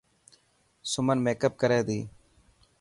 سمن ميڪپ ڪري تي.